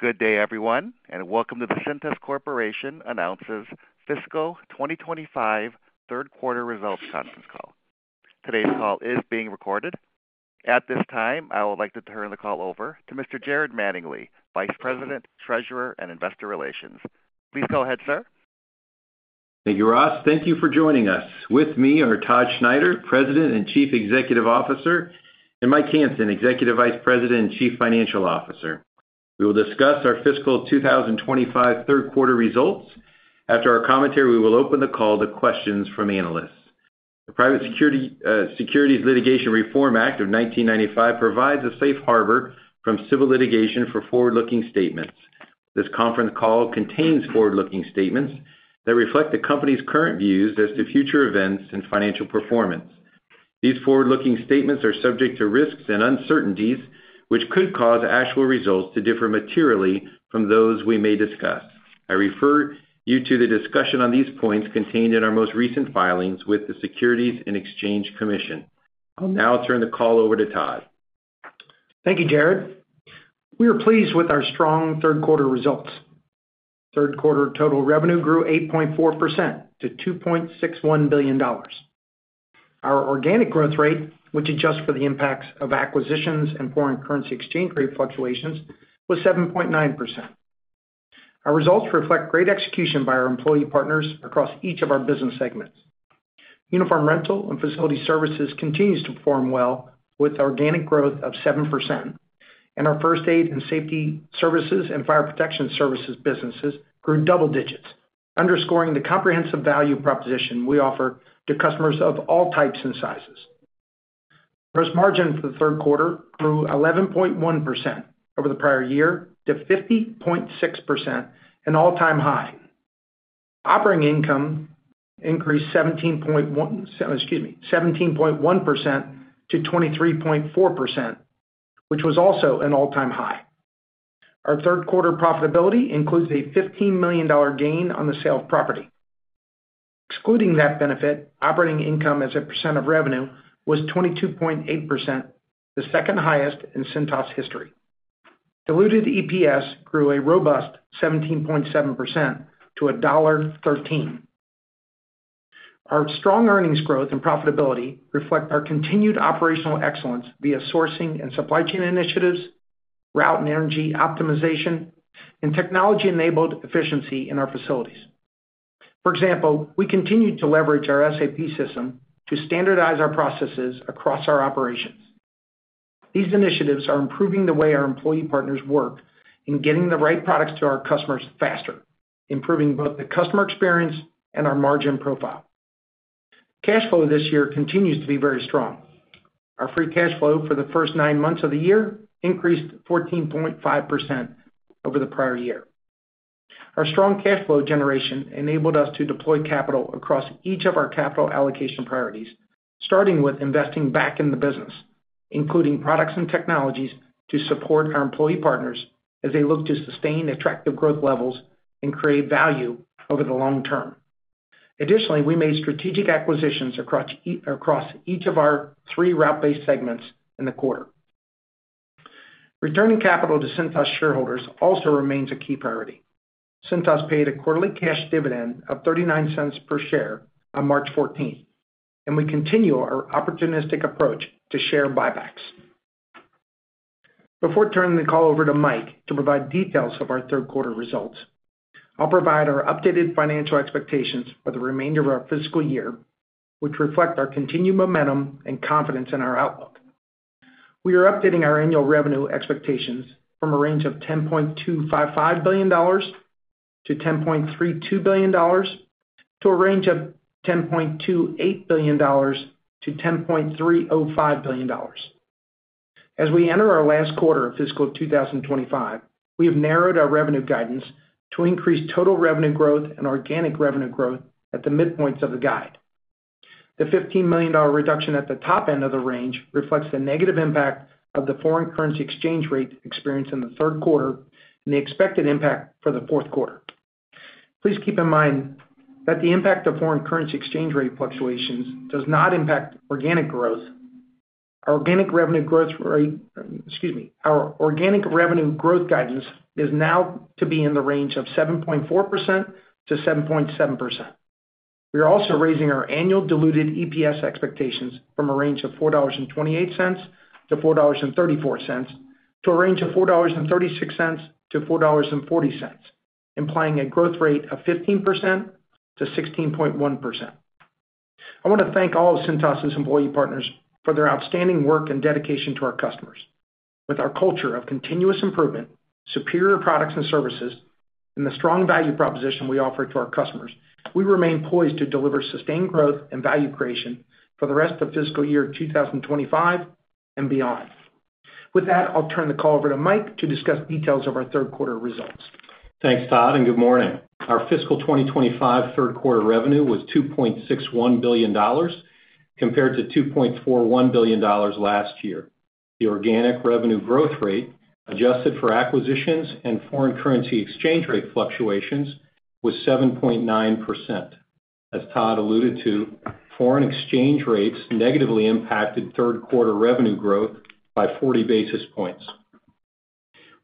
Good day, everyone, and welcome to the Cintas Corporation announces fiscal 2025 third quarter results conference call. Today's call is being recorded. At this time, I would like to turn the call over to Mr. Jared Mattingley, Vice President, Treasurer, and Investor Relations. Please go ahead, sir. Thank you, Ross. Thank you for joining us. With me are Todd Schneider, President and Chief Executive Officer, and Mike Hansen, Executive Vice President and Chief Financial Officer. We will discuss our fiscal 2025 third quarter results. After our commentary, we will open the call to questions from analysts. The Private Securities Litigation Reform Act of 1995 provides a safe harbor from civil litigation for forward-looking statements. This conference call contains forward-looking statements that reflect the company's current views as to future events and financial performance. These forward-looking statements are subject to risks and uncertainties, which could cause actual results to differ materially from those we may discuss. I refer you to the discussion on these points contained in our most recent filings with the Securities and Exchange Commission. I'll now turn the call over to Todd. Thank you, Jared. We are pleased with our strong third quarter results. Third quarter total revenue grew 8.4% to $2.61 billion. Our organic growth rate, which adjusts for the impacts of acquisitions and foreign currency exchange rate fluctuations, was 7.9%. Our results reflect great execution by our employee partners across each of our business segments. Uniform rental and facility services continues to perform well, with organic growth of 7%, and our first aid and safety services and fire protection services businesses grew double digits, underscoring the comprehensive value proposition we offer to customers of all types and sizes. Gross margin for the third quarter grew 11.1% over the prior year to 50.6%, an all-time high. Operating income increased 17.1% to 23.4%, which was also an all-time high. Our third quarter profitability includes a $15 million gain on the sale of property. Excluding that benefit, operating income as a percent of revenue was 22.8%, the second highest in Cintas history. Diluted EPS grew a robust 17.7% to $1.13. Our strong earnings growth and profitability reflect our continued operational excellence via sourcing and supply chain initiatives, route and energy optimization, and technology-enabled efficiency in our facilities. For example, we continue to leverage our SAP system to standardize our processes across our operations. These initiatives are improving the way our employee partners work in getting the right products to our customers faster, improving both the customer experience and our margin profile. Cash flow this year continues to be very strong. Our free cash flow for the first nine months of the year increased 14.5% over the prior year. Our strong cash flow generation enabled us to deploy capital across each of our capital allocation priorities, starting with investing back in the business, including products and technologies to support our employee partners as they look to sustain attractive growth levels and create value over the long term. Additionally, we made strategic acquisitions across each of our three route-based segments in the quarter. Returning capital to Cintas shareholders also remains a key priority. Cintas paid a quarterly cash dividend of $0.39 per share on March 14, and we continue our opportunistic approach to share buybacks. Before turning the call over to Mike to provide details of our third quarter results, I'll provide our updated financial expectations for the remainder of our fiscal year, which reflect our continued momentum and confidence in our outlook. We are updating our annual revenue expectations from a range of $10.255 billion-$10.32 billion to a range of $10.28 billion-$10.305 billion. As we enter our last quarter of fiscal 2025, we have narrowed our revenue guidance to increase total revenue growth and organic revenue growth at the midpoints of the guide. The $15 million reduction at the top end of the range reflects the negative impact of the foreign currency exchange rate experience in the third quarter and the expected impact for the fourth quarter. Please keep in mind that the impact of foreign currency exchange rate fluctuations does not impact organic growth. Our organic revenue growth guidance is now to be in the range of 7.4%-7.7%. We are also raising our annual diluted EPS expectations from a range of $4.28-$4.34 to a range of $4.36-$4.40, implying a growth rate of 15%-16.1%. I want to thank all of Cintas' employee partners for their outstanding work and dedication to our customers. With our culture of continuous improvement, superior products and services, and the strong value proposition we offer to our customers, we remain poised to deliver sustained growth and value creation for the rest of fiscal year 2025 and beyond. With that, I'll turn the call over to Mike to discuss details of our third quarter results. Thanks, Todd, and good morning. Our fiscal 2025 third quarter revenue was $2.61 billion compared to $2.41 billion last year. The organic revenue growth rate, adjusted for acquisitions and foreign currency exchange rate fluctuations, was 7.9%. As Todd alluded to, foreign exchange rates negatively impacted third quarter revenue growth by 40 basis points.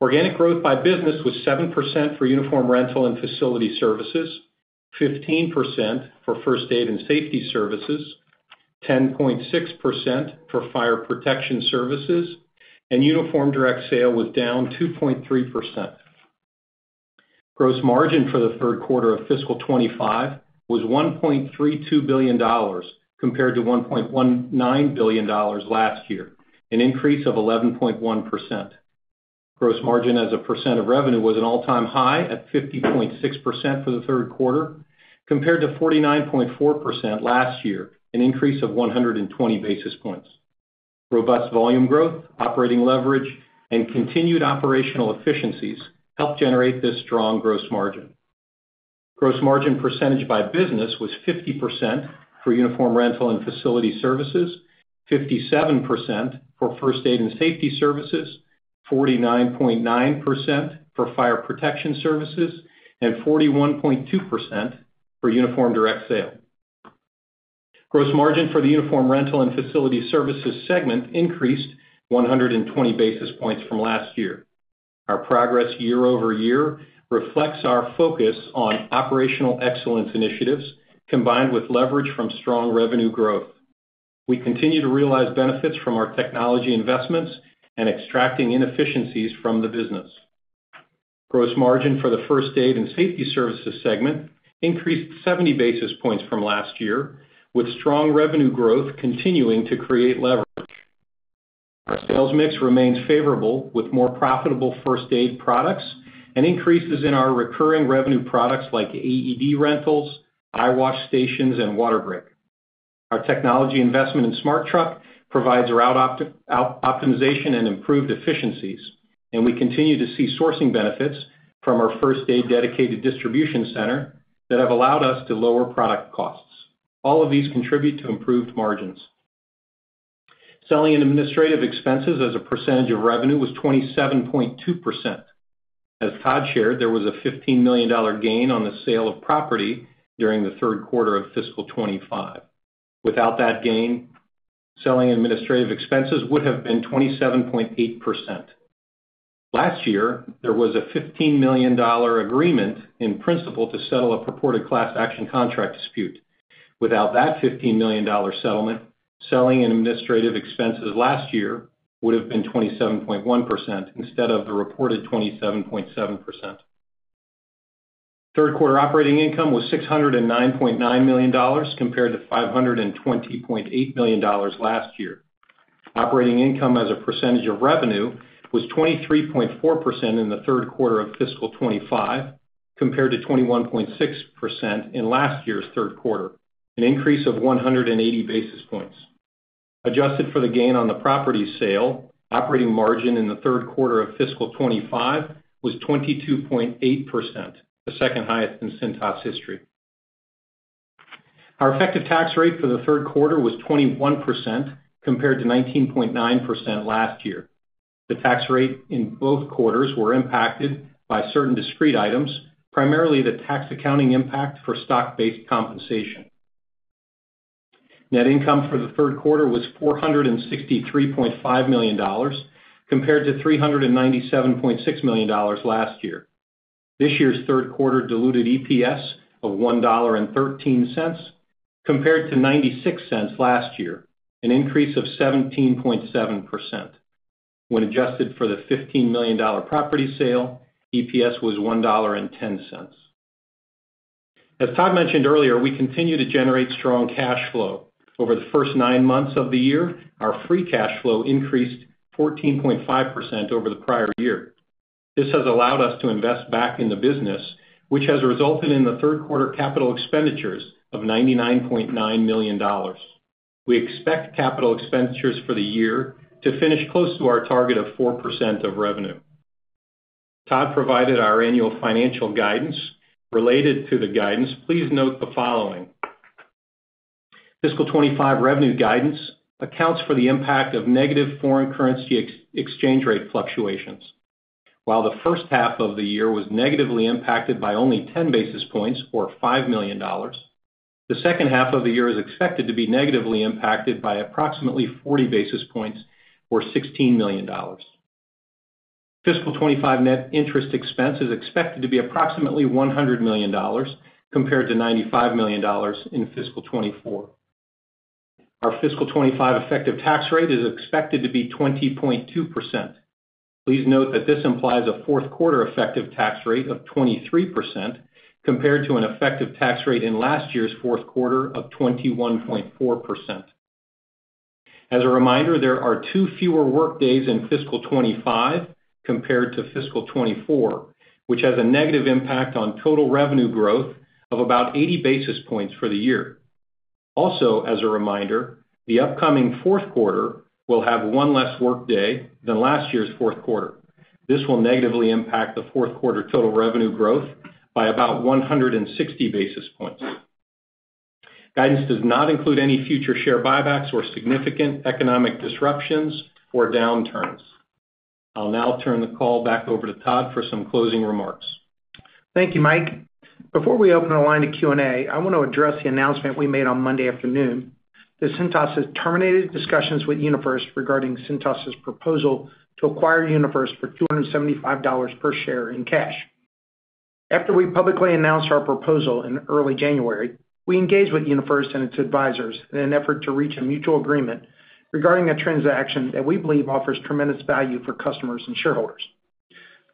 Organic growth by business was 7% for uniform rental and facility services, 15% for first aid and safety services, 10.6% for fire protection services, and uniform direct sale was down 2.3%. Gross margin for the third quarter of fiscal 2025 was $1.32 billion compared to $1.19 billion last year, an increase of 11.1%. Gross margin as a percent of revenue was an all-time high at 50.6% for the third quarter, compared to 49.4% last year, an increase of 120 basis points. Robust volume growth, operating leverage, and continued operational efficiencies helped generate this strong gross margin. Gross margin percentage by business was 50% for uniform rental and facility services, 57% for first aid and safety services, 49.9% for fire protection services, and 41.2% for uniform direct sale. Gross margin for the uniform rental and facility services segment increased 120 basis points from last year. Our progress year over year reflects our focus on operational excellence initiatives combined with leverage from strong revenue growth. We continue to realize benefits from our technology investments and extracting inefficiencies from the business. Gross margin for the first aid and safety services segment increased 70 basis points from last year, with strong revenue growth continuing to create leverage. Our sales mix remains favorable with more profitable first aid products and increases in our recurring revenue products like AED rentals, eyewash stations, and WaterBreak. Our technology investment in SmartTruck provides route optimization and improved efficiencies, and we continue to see sourcing benefits from our first aid dedicated distribution center that have allowed us to lower product costs. All of these contribute to improved margins. Selling and administrative expenses as a percentage of revenue was 27.2%. As Todd shared, there was a $15 million gain on the sale of property during the third quarter of fiscal 2025. Without that gain, selling and administrative expenses would have been 27.8%. Last year, there was a $15 million agreement in principal to settle a purported class action contract dispute. Without that $15 million settlement, selling and administrative expenses last year would have been 27.1% instead of the reported 27.7%. Third quarter operating income was $609.9 million compared to $520.8 million last year. Operating income as a percentage of revenue was 23.4% in the third quarter of fiscal 2025 compared to 21.6% in last year's third quarter, an increase of 180 basis points. Adjusted for the gain on the property sale, operating margin in the third quarter of fiscal 2025 was 22.8%, the second highest in Cintas history. Our effective tax rate for the third quarter was 21% compared to 19.9% last year. The tax rate in both quarters was impacted by certain discrete items, primarily the tax accounting impact for stock-based compensation. Net income for the third quarter was $463.5 million compared to $397.6 million last year. This year's third quarter diluted EPS of $1.13 compared to $0.96 last year, an increase of 17.7%. When adjusted for the $15 million property sale, EPS was $1.10. As Todd mentioned earlier, we continue to generate strong cash flow. Over the first nine months of the year, our free cash flow increased 14.5% over the prior year. This has allowed us to invest back in the business, which has resulted in the third quarter capital expenditures of $99.9 million. We expect capital expenditures for the year to finish close to our target of 4% of revenue. Todd provided our annual financial guidance. Related to the guidance, please note the following. Fiscal 2025 revenue guidance accounts for the impact of negative foreign currency exchange rate fluctuations. While the first half of the year was negatively impacted by only 10 basis points or $5 million, the second half of the year is expected to be negatively impacted by approximately 40 basis points or $16 million. Fiscal 2025 net interest expense is expected to be approximately $100 million compared to $95 million in fiscal 2024. Our fiscal 2025 effective tax rate is expected to be 20.2%. Please note that this implies a fourth quarter effective tax rate of 23% compared to an effective tax rate in last year's fourth quarter of 21.4%. As a reminder, there are two fewer workdays in fiscal 2025 compared to fiscal 2024, which has a negative impact on total revenue growth of about 80 basis points for the year. Also, as a reminder, the upcoming fourth quarter will have one less workday than last year's fourth quarter. This will negatively impact the fourth quarter total revenue growth by about 160 basis points. Guidance does not include any future share buybacks or significant economic disruptions or downturns. I'll now turn the call back over to Todd for some closing remarks. Thank you, Mike. Before we open our line to Q&A, I want to address the announcement we made on Monday afternoon that Cintas has terminated discussions with UniFirst regarding Cintas' proposal to acquire UniFirst for $275 per share in cash. After we publicly announced our proposal in early January, we engaged with UniFirst and its advisors in an effort to reach a mutual agreement regarding a transaction that we believe offers tremendous value for customers and shareholders.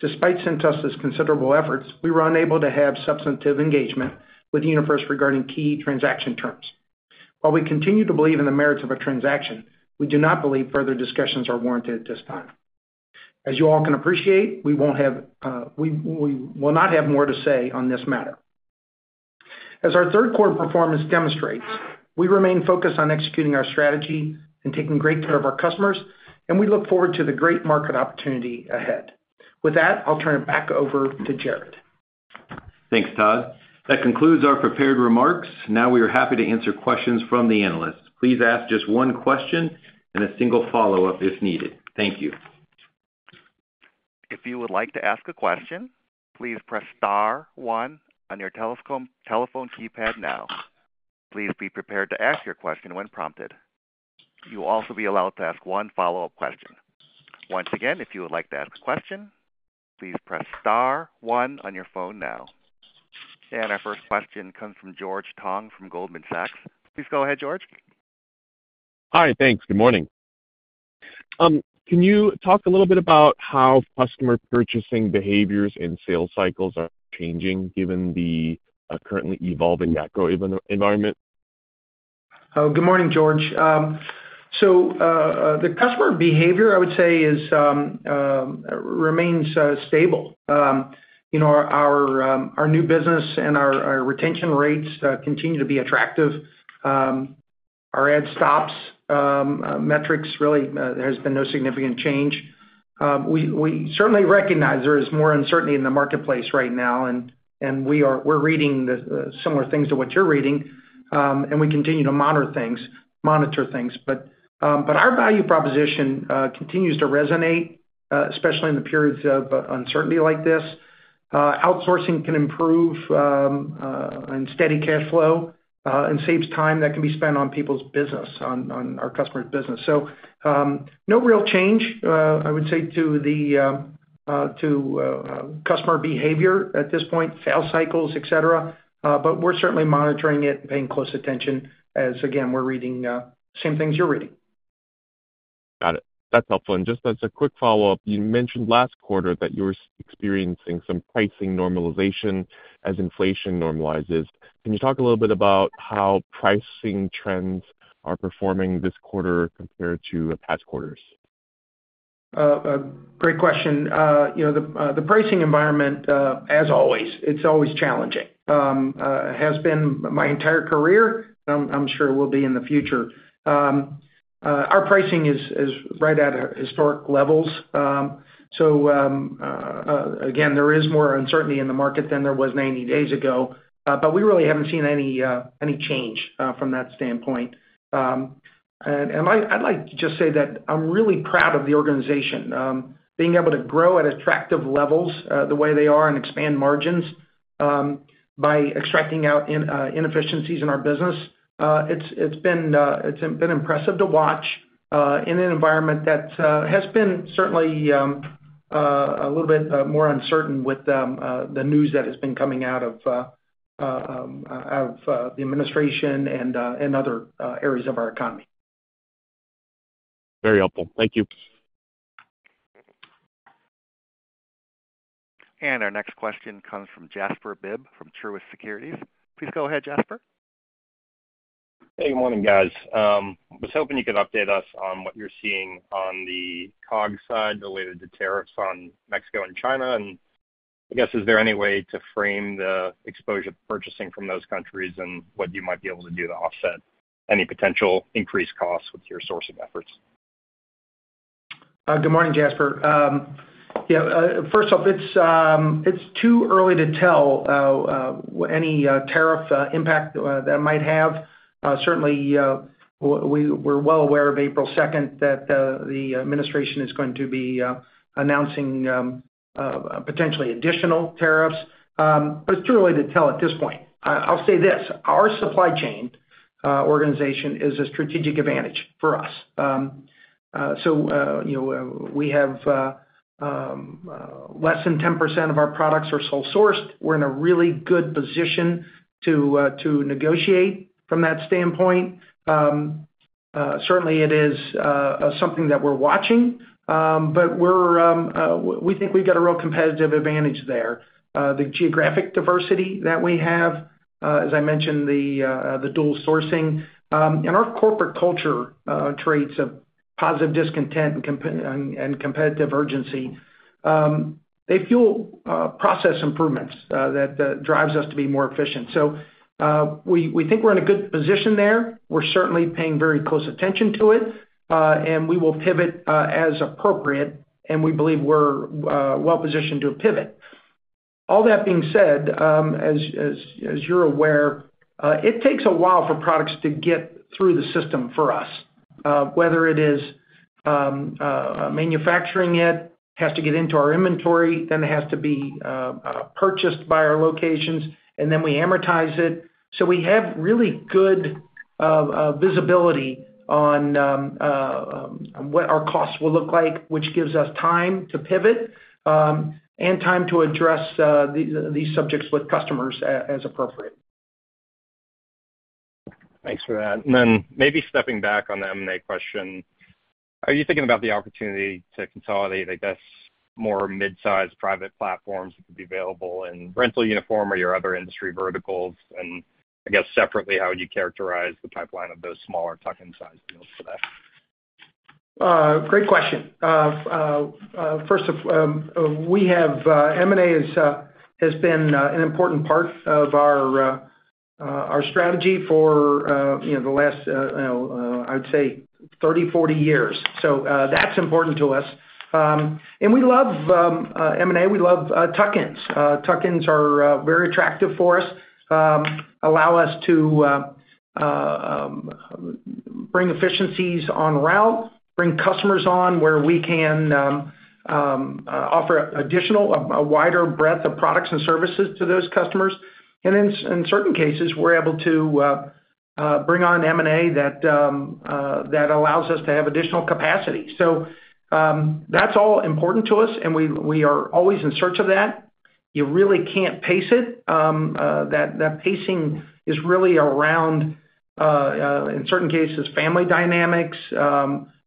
Despite Cintas' considerable efforts, we were unable to have substantive engagement with UniFirst regarding key transaction terms. While we continue to believe in the merits of our transaction, we do not believe further discussions are warranted at this time. As you all can appreciate, we will not have more to say on this matter. As our third quarter performance demonstrates, we remain focused on executing our strategy and taking great care of our customers, and we look forward to the great market opportunity ahead. With that, I'll turn it back over to Jared. Thanks, Todd. That concludes our prepared remarks. Now we are happy to answer questions from the analysts. Please ask just one question and a single follow-up if needed. Thank you. If you would like to ask a question, please press star one on your telephone keypad now. Please be prepared to ask your question when prompted. You will also be allowed to ask one follow-up question. Once again, if you would like to ask a question, please press star one on your phone now. Our first question comes from George Tong from Goldman Sachs. Please go ahead, George. Hi, thanks. Good morning. Can you talk a little bit about how customer purchasing behaviors and sales cycles are changing given the currently evolving macro environment? Good morning, George. The customer behavior, I would say, remains stable. Our new business and our retention rates continue to be attractive. Our adds/stops metrics, really, there has been no significant change. We certainly recognize there is more uncertainty in the marketplace right now, and we're reading similar things to what you're reading, and we continue to monitor things. Our value proposition continues to resonate, especially in periods of uncertainty like this. Outsourcing can improve and steady cash flow and saves time that can be spent on people's business, on our customers' business. No real change, I would say, to customer behavior at this point, sales cycles, etc. We're certainly monitoring it and paying close attention as, again, we're reading the same things you're reading. Got it. That's helpful. Just as a quick follow-up, you mentioned last quarter that you were experiencing some pricing normalization as inflation normalizes. Can you talk a little bit about how pricing trends are performing this quarter compared to past quarters? Great question. The pricing environment, as always, it's always challenging. It has been my entire career, and I'm sure it will be in the future. Our pricing is right at historic levels. There is more uncertainty in the market than there was 90 days ago, but we really haven't seen any change from that standpoint. I'd like to just say that I'm really proud of the organization, being able to grow at attractive levels the way they are and expand margins by extracting out inefficiencies in our business. It's been impressive to watch in an environment that has been certainly a little bit more uncertain with the news that has been coming out of the administration and other areas of our economy. Very helpful. Thank you. Our next question comes from Jasper Bibb from Truist Securities. Please go ahead, Jasper. Hey, good morning, guys. I was hoping you could update us on what you're seeing on the COGS side related to tariffs on Mexico and China. I guess, is there any way to frame the exposure to purchasing from those countries and what you might be able to do to offset any potential increased costs with your sourcing efforts? Good morning, Jasper. Yeah, first off, it's too early to tell any tariff impact that might have. Certainly, we're well aware of April 2nd that the administration is going to be announcing potentially additional tariffs. It's too early to tell at this point. I'll say this: our supply chain organization is a strategic advantage for us. We have less than 10% of our products are sole sourced. We're in a really good position to negotiate from that standpoint. Certainly, it is something that we're watching, but we think we've got a real competitive advantage there. The geographic diversity that we have, as I mentioned, the dual sourcing, and our corporate culture traits of positive discontent and competitive urgency, they fuel process improvements that drive us to be more efficient. We think we're in a good position there. We're certainly paying very close attention to it, and we will pivot as appropriate, and we believe we're well positioned to pivot. All that being said, as you're aware, it takes a while for products to get through the system for us, whether it is manufacturing it, has to get into our inventory, then it has to be purchased by our locations, and then we amortize it. We have really good visibility on what our costs will look like, which gives us time to pivot and time to address these subjects with customers as appropriate. Thanks for that. Maybe stepping back on the M&A question, are you thinking about the opportunity to consolidate, I guess, more midsize private platforms that could be available in rental uniform or your other industry verticals? I guess separately, how would you characterize the pipeline of those smaller tuck-in-size deals today? Great question. First, we have M&A has been an important part of our strategy for the last, I would say, 30, 40 years. That is important to us. We love M&A. We love tuck-ins. Tuck-ins are very attractive for us, allow us to bring efficiencies on route, bring customers on where we can offer a wider breadth of products and services to those customers. In certain cases, we are able to bring on M&A that allows us to have additional capacity. That is all important to us, and we are always in search of that. You really cannot pace it. That pacing is really around, in certain cases, family dynamics,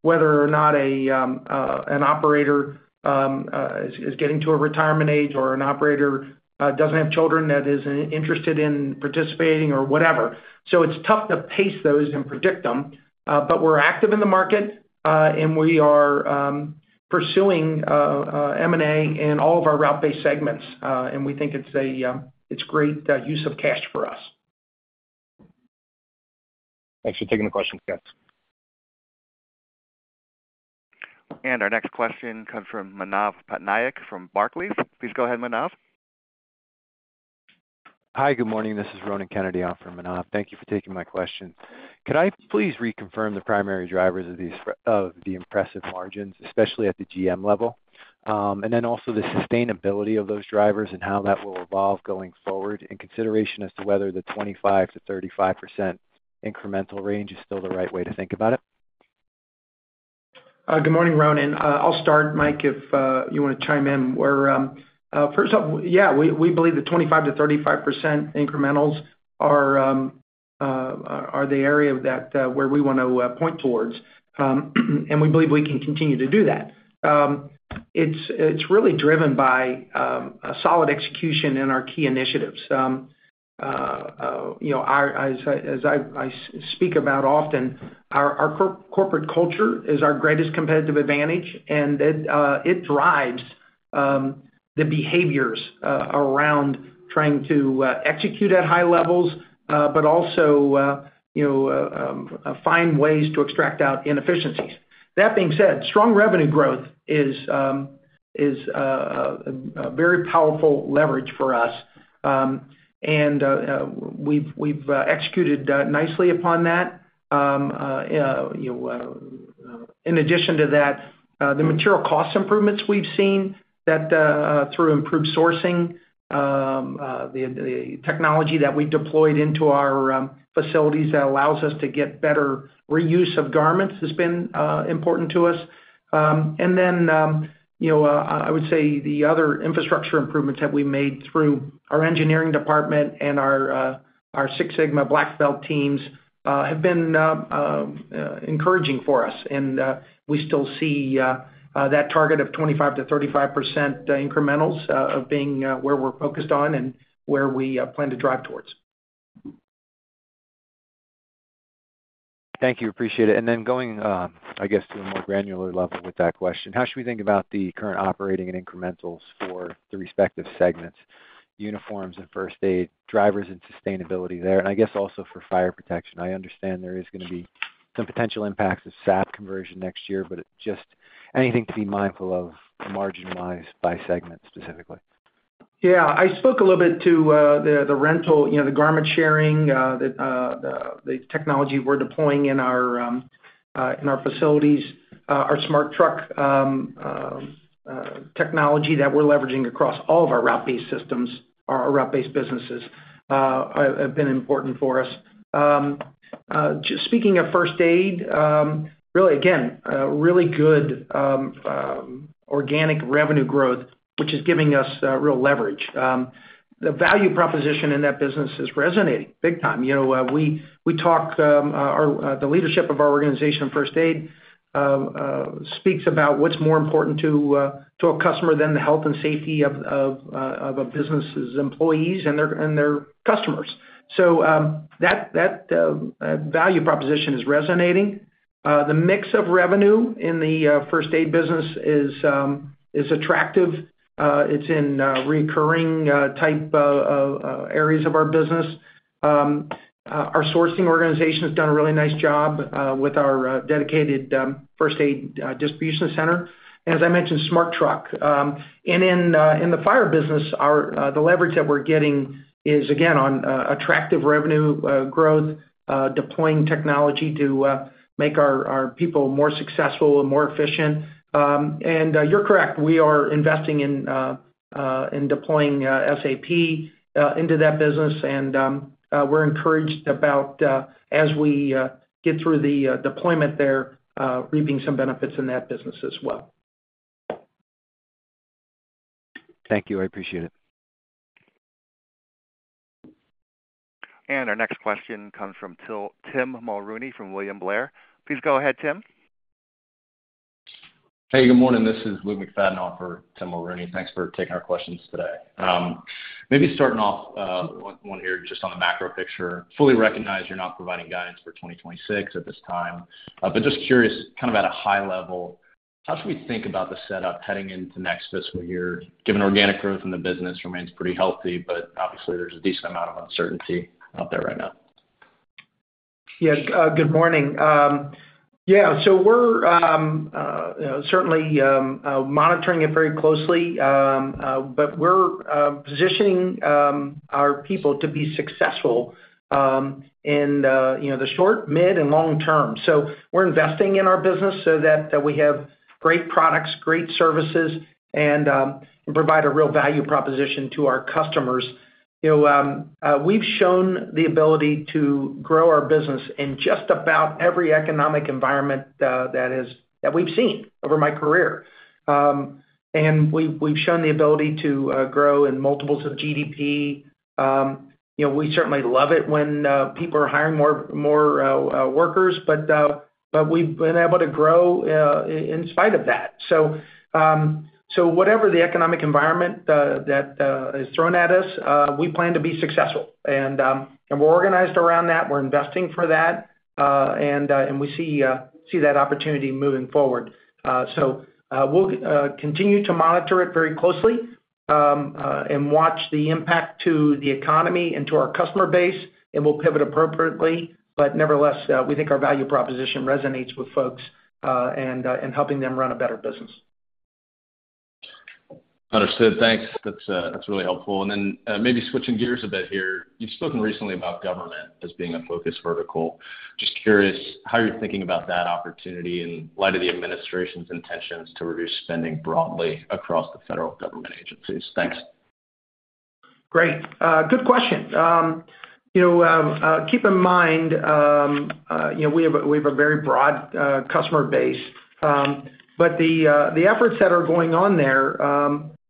whether or not an operator is getting to a retirement age or an operator does not have children that is interested in participating or whatever. It's tough to pace those and predict them, but we're active in the market, and we are pursuing M&A in all of our route-based segments, and we think it's a great use of cash for us. Thanks for taking the question, guys. Our next question comes from Manav Patnaik from Barclays. Please go ahead, Manav. Hi, good morning. This is Ronan Kennedy for Manav. Thank you for taking my question. Could I please reconfirm the primary drivers of the impressive margins, especially at the GM level? Also, the sustainability of those drivers and how that will evolve going forward in consideration as to whether the 25-35% incremental range is still the right way to think about it? Good morning, Ronan. I'll start, Mike, if you want to chime in. First off, yeah, we believe the 25-35% incrementals are the area where we want to point towards, and we believe we can continue to do that. It's really driven by solid execution in our key initiatives. As I speak about often, our corporate culture is our greatest competitive advantage, and it drives the behaviors around trying to execute at high levels, but also find ways to extract out inefficiencies. That being said, strong revenue growth is a very powerful leverage for us, and we've executed nicely upon that. In addition to that, the material cost improvements we've seen through improved sourcing, the technology that we've deployed into our facilities that allows us to get better reuse of garments has been important to us. I would say the other infrastructure improvements that we've made through our engineering department and our Six Sigma Black Belt teams have been encouraging for us, and we still see that target of 25-35% incrementals being where we're focused on and where we plan to drive towards. Thank you. Appreciate it. Going, I guess, to a more granular level with that question, how should we think about the current operating and incrementals for the respective segments? Uniforms and first aid, drivers and sustainability there, and I guess also for fire protection. I understand there is going to be some potential impacts of SAP conversion next year, but just anything to be mindful of marginalized by segments specifically. Yeah. I spoke a little bit to the rental, the garment sharing, the technology we're deploying in our facilities, our Smart Truck technology that we're leveraging across all of our route-based systems, our route-based businesses, have been important for us. Just speaking of first aid, really, again, really good organic revenue growth, which is giving us real leverage. The value proposition in that business is resonating big time. We talk the leadership of our organization of first aid speaks about what's more important to a customer than the health and safety of a business's employees and their customers. That value proposition is resonating. The mix of revenue in the first aid business is attractive. It's in recurring type areas of our business. Our sourcing organization has done a really nice job with our dedicated first aid distribution center. As I mentioned, Smart Truck. In the fire business, the leverage that we're getting is, again, on attractive revenue growth, deploying technology to make our people more successful and more efficient. You're correct. We are investing in deploying SAP into that business, and we're encouraged about, as we get through the deployment there, reaping some benefits in that business as well. Thank you. I appreciate it. Our next question comes from Tim Mulrooney from William Blair. Please go ahead, Tim. Hey, good morning. This is Ludwig Fadenhoffer, Tim Mulrooney. Thanks for taking our questions today. Maybe starting off one here just on the macro picture. Fully recognize you're not providing guidance for 2026 at this time, but just curious, kind of at a high level, how should we think about the setup heading into next fiscal year? Given organic growth in the business remains pretty healthy, but obviously, there's a decent amount of uncertainty out there right now. Yes. Good morning. Yeah. We are certainly monitoring it very closely, but we are positioning our people to be successful in the short, mid, and long term. We are investing in our business so that we have great products, great services, and provide a real value proposition to our customers. We have shown the ability to grow our business in just about every economic environment that we have seen over my career. We have shown the ability to grow in multiples of GDP. We certainly love it when people are hiring more workers, but we have been able to grow in spite of that. Whatever the economic environment that is thrown at us, we plan to be successful. We are organized around that. We are investing for that, and we see that opportunity moving forward. We will continue to monitor it very closely and watch the impact to the economy and to our customer base, and we will pivot appropriately. Nevertheless, we think our value proposition resonates with folks and helping them run a better business. Understood. Thanks. That's really helpful. Maybe switching gears a bit here. You've spoken recently about government as being a focus vertical. Just curious how you're thinking about that opportunity in light of the administration's intentions to reduce spending broadly across the federal government agencies. Thanks. Great. Good question. Keep in mind we have a very broad customer base, but the efforts that are going on there,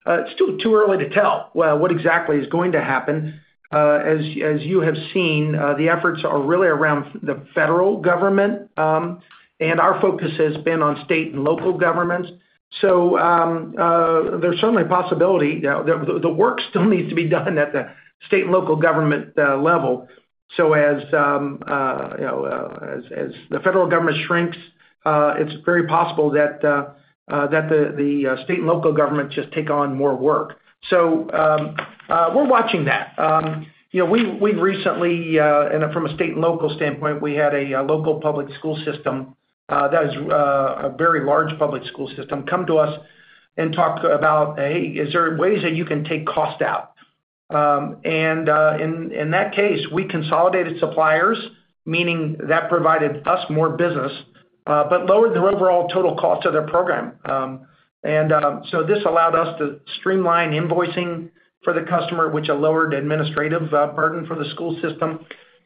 it's still too early to tell what exactly is going to happen. As you have seen, the efforts are really around the federal government, and our focus has been on state and local governments. There is certainly a possibility that the work still needs to be done at the state and local government level. As the federal government shrinks, it is very possible that the state and local government just take on more work. We are watching that. We recently, from a state and local standpoint, had a local public school system that is a very large public school system come to us and talk about, "Hey, is there ways that you can take cost out?" In that case, we consolidated suppliers, meaning that provided us more business, but lowered their overall total cost of their program. This allowed us to streamline invoicing for the customer, which lowered the administrative burden for the school system.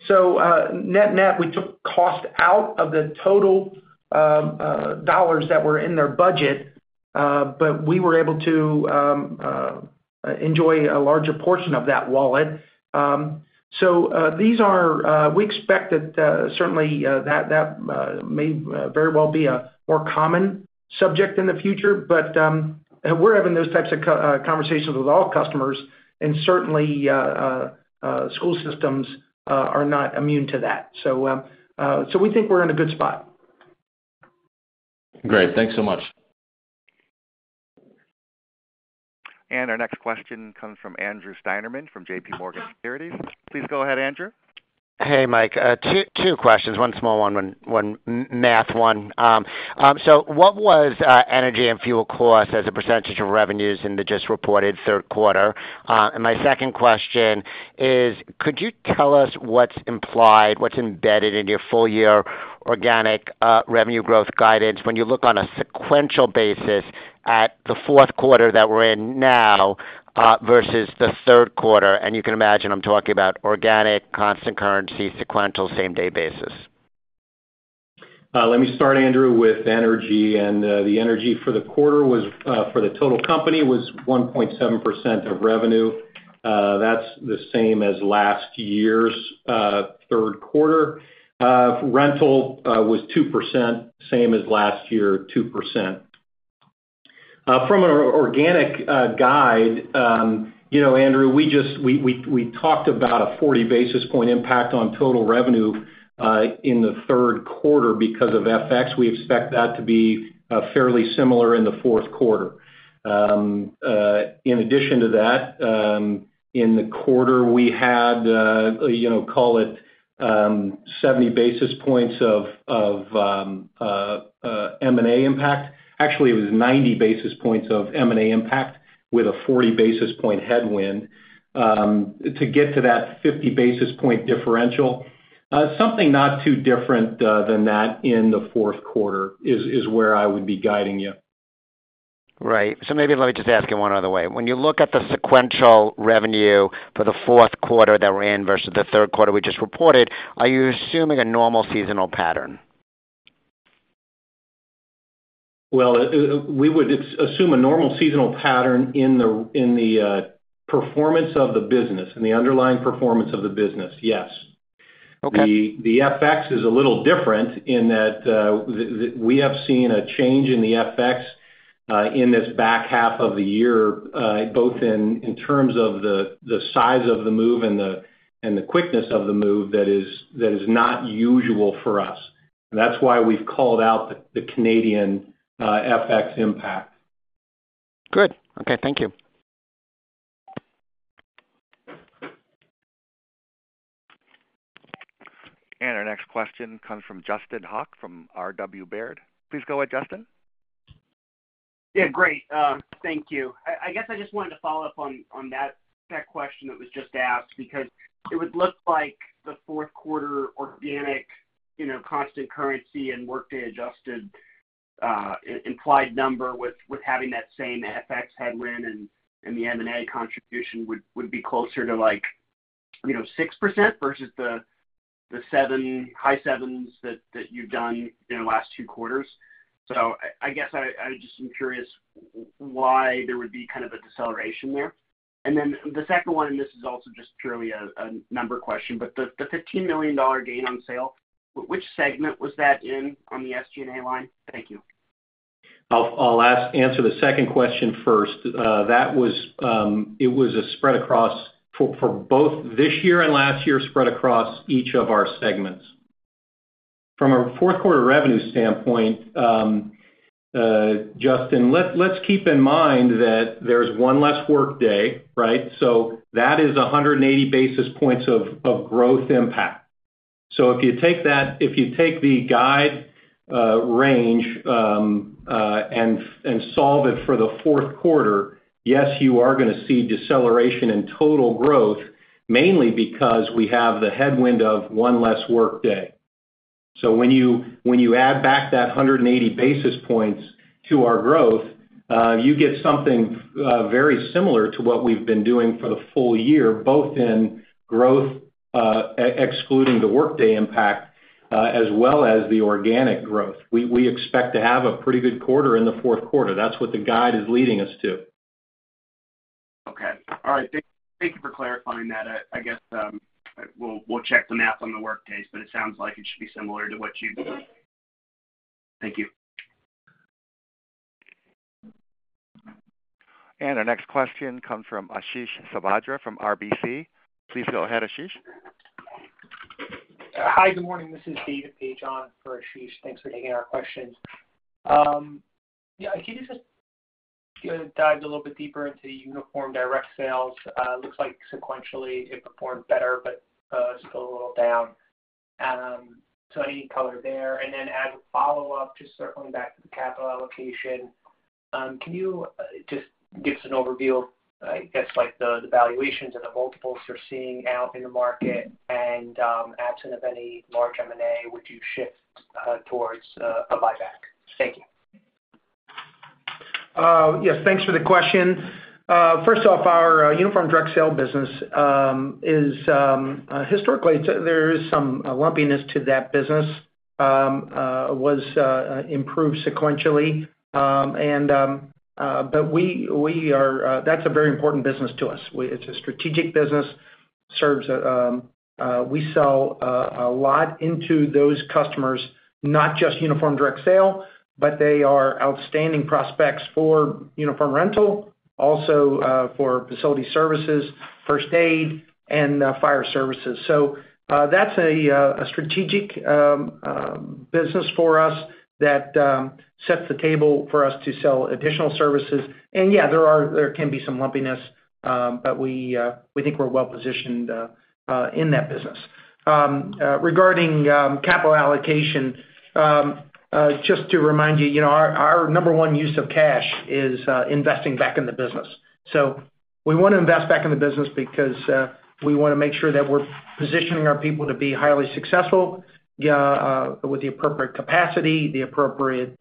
Net-net, we took cost out of the total dollars that were in their budget, but we were able to enjoy a larger portion of that wallet. We expect that certainly that may very well be a more common subject in the future, but we're having those types of conversations with all customers, and certainly school systems are not immune to that. We think we're in a good spot. Great. Thanks so much. Our next question comes from Andrew Steinerman from JPMorgan Securities. Please go ahead, Andrew. Hey, Mike. Two questions. One small one, one math one. What was energy and fuel costs as a percentage of revenues in the just reported third quarter? My second question is, could you tell us what's implied, what's embedded in your full-year organic revenue growth guidance when you look on a sequential basis at the fourth quarter that we're in now versus the third quarter? You can imagine I'm talking about organic, constant currency, sequential, same-day basis. Let me start, Andrew, with energy. And the energy for the quarter for the total company was 1.7% of revenue. That's the same as last year's third quarter. Rental was 2%, same as last year, 2%. From an organic guide, Andrew, we talked about a 40 basis point impact on total revenue in the third quarter because of FX. We expect that to be fairly similar in the fourth quarter. In addition to that, in the quarter, we had, call it, 70 basis points of M&A impact. Actually, it was 90 basis points of M&A impact with a 40 basis point headwind to get to that 50 basis point differential. Something not too different than that in the fourth quarter is where I would be guiding you. Right. Maybe let me just ask it one other way. When you look at the sequential revenue for the fourth quarter that we're in versus the third quarter we just reported, are you assuming a normal seasonal pattern? We would assume a normal seasonal pattern in the performance of the business, in the underlying performance of the business, yes. The FX is a little different in that we have seen a change in the FX in this back half of the year, both in terms of the size of the move and the quickness of the move that is not usual for us. That's why we've called out the Canadian FX impact. Good. Okay. Thank you. Our next question comes from Justin Hauke from RW Baird. Please go ahead, Justin. Yeah. Great. Thank you. I guess I just wanted to follow up on that question that was just asked because it would look like the fourth quarter organic constant currency and workday adjusted implied number with having that same FX headwind and the M&A contribution would be closer to 6% versus the high sevens that you've done in the last two quarters. I just am curious why there would be kind of a deceleration there. The second one, and this is also just purely a number question, but the $15 million gain on sale, which segment was that in on the SG&A line? Thank you. I'll answer the second question first. It was a spread across for both this year and last year, spread across each of our segments. From a fourth quarter revenue standpoint, Justin, let's keep in mind that there's one less workday, right? That is 180 basis points of growth impact. If you take that, if you take the guide range and solve it for the fourth quarter, yes, you are going to see deceleration in total growth, mainly because we have the headwind of one less workday. When you add back that 180 basis points to our growth, you get something very similar to what we've been doing for the full year, both in growth, excluding the workday impact, as well as the organic growth. We expect to have a pretty good quarter in the fourth quarter. That's what the guide is leading us to. Okay. All right. Thank you for clarifying that. I guess we'll check the math on the workdays, but it sounds like it should be similar to what you've done. Thank you. Our next question comes from Ashish Sabadra from RBC. Please go ahead, Ashish. Hi. Good morning. This is David Page on for Ashish. Thanks for taking our questions. Yeah. Can you just dive a little bit deeper into uniform direct sales? Looks like sequentially it performed better, but still a little down. Any color there? As a follow-up, just circling back to the capital allocation, can you just give us an overview of, I guess, the valuations and the multiples you're seeing out in the market? Absent of any large M&A, would you shift towards a buyback? Thank you. Yes. Thanks for the question. First off, our uniform direct sale business is historically, there is some lumpiness to that business. It was improved sequentially, but that's a very important business to us. It's a strategic business. We sell a lot into those customers, not just uniform direct sale, but they are outstanding prospects for uniform rental, also for facility services, first aid, and fire services. That is a strategic business for us that sets the table for us to sell additional services. Yeah, there can be some lumpiness, but we think we're well-positioned in that business. Regarding capital allocation, just to remind you, our number one use of cash is investing back in the business. We want to invest back in the business because we want to make sure that we're positioning our people to be highly successful with the appropriate capacity, the appropriate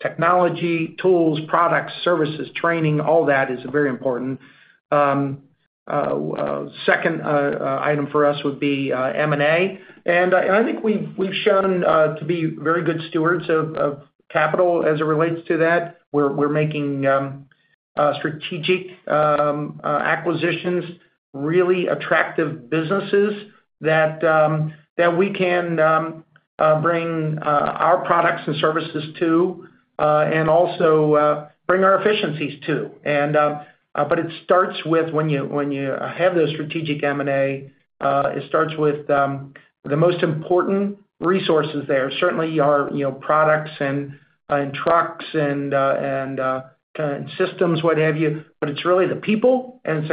technology, tools, products, services, training. All that is very important. The second item for us would be M&A. I think we've shown to be very good stewards of capital as it relates to that. We're making strategic acquisitions, really attractive businesses that we can bring our products and services to and also bring our efficiencies to. It starts with when you have those strategic M&A, it starts with the most important resources there. Certainly, your products and trucks and systems, what have you, but it's really the people and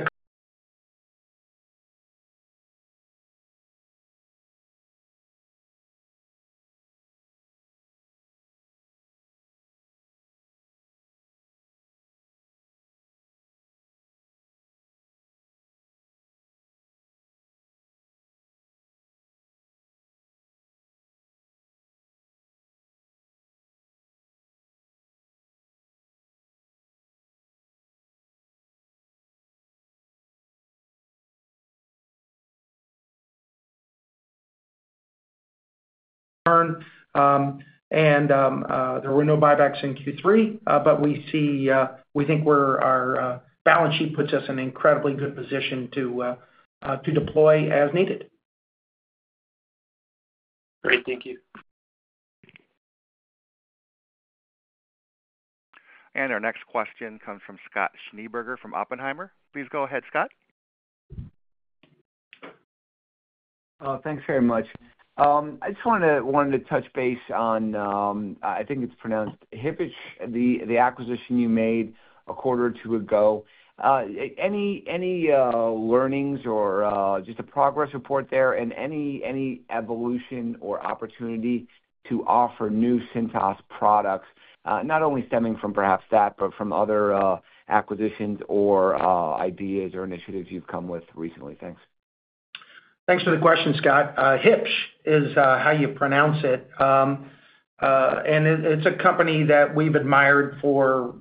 return. There were no buybacks in Q3, but we think our balance sheet puts us in an incredibly good position to deploy as needed. Great. Thank you. Our next question comes from Scott Schneeberger from Oppenheimer. Please go ahead, Scott. Thanks very much. I just wanted to touch base on, I think it's pronounced Huebsch, the acquisition you made a quarter or two ago. Any learnings or just a progress report there and any evolution or opportunity to offer new Cintas products, not only stemming from perhaps that, but from other acquisitions or ideas or initiatives you've come with recently? Thanks. Thanks for the question, Scott. Huebsch is how you pronounce it. It is a company that we have admired for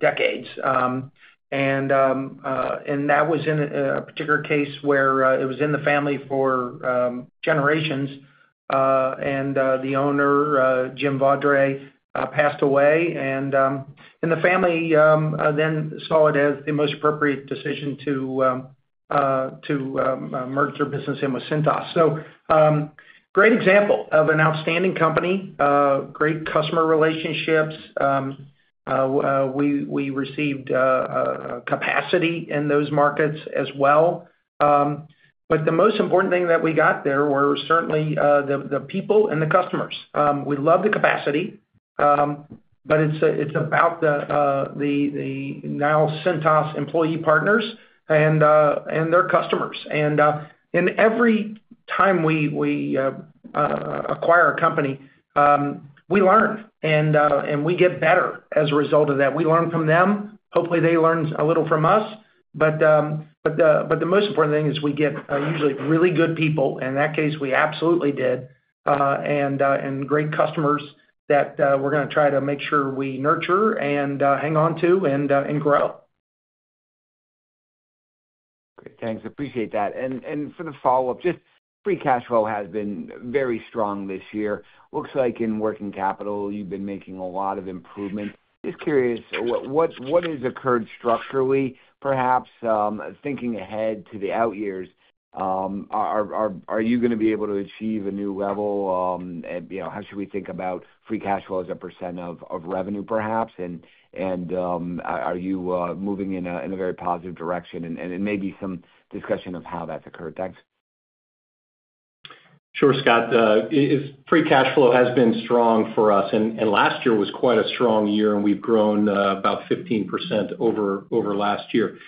decades. That was in a particular case where it was in the family for generations. The owner, Jim Vaudreuil, passed away. The family then saw it as the most appropriate decision to merge their business in with Cintas. Great example of an outstanding company, great customer relationships. We received capacity in those markets as well. The most important thing that we got there were certainly the people and the customers. We love the capacity, but it is about the now Cintas employee partners and their customers. Every time we acquire a company, we learn and we get better as a result of that. We learn from them. Hopefully, they learn a little from us. The most important thing is we get usually really good people. In that case, we absolutely did. Great customers that we're going to try to make sure we nurture and hang on to and grow. Great. Thanks. Appreciate that. For the follow-up, just free cash flow has been very strong this year. Looks like in working capital, you've been making a lot of improvements. Just curious, what has occurred structurally, perhaps thinking ahead to the out years? Are you going to be able to achieve a new level? How should we think about free cash flow as a % of revenue, perhaps? Are you moving in a very positive direction? Maybe some discussion of how that's occurred. Thanks. Sure, Scott. Free cash flow has been strong for us. Last year was quite a strong year, and we've grown about 15% over last year.